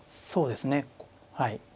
そうですねはい。